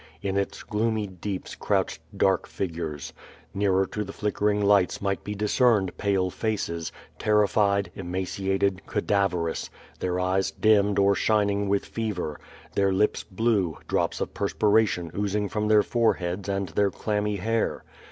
In its gloomy deeps crouched dark figures. Nearer to the flickering lights might be discerned i)ale faces, terrified, ema ciated, cadaverous, their eyes dimmed or shining with fever, their lips blue, drops of persipration oozing from their fore heads and their clammy hair.